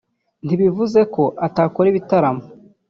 ntibivuze ko utakora ibitaramo